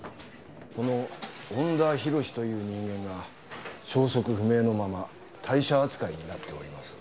この恩田浩という人間が消息不明のまま退社扱いになっております。